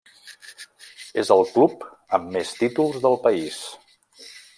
És el club amb més títols del país.